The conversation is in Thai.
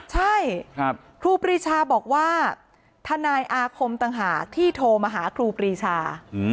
ใช่ครูปรีชาบอกว่าทนายอาคมต่างหากที่โทรมาหาครูปรีชา